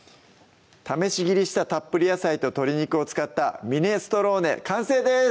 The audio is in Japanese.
試し切りしたたっぷり野菜と鶏肉を使った「ミネストローネ」完成です